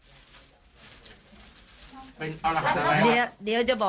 ดุเดือดเลยครับ